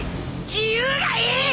自由がいい！